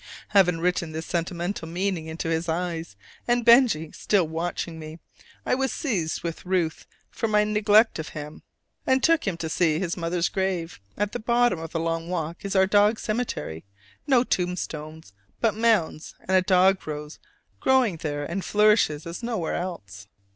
Having written this sentimental meaning into his eyes, and Benjy still sitting watching me, I was seized with ruth for my neglect of him, and took him to see his mother's grave. At the bottom of the long walk is our dog's cemetery: no tombstones, but mounds; and a dog rose grows there and flourishes as nowhere else.